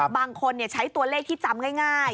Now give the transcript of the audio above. บางคนใช้ตัวเลขที่จำง่าย